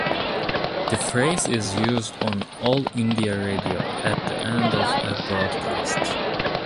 The phrase is used on All India Radio at the end of a broadcast.